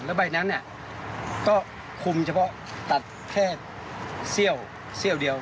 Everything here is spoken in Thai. แล้วใบนั้นก็คุมเฉพาะตัดแค่เสี้ยวเดียว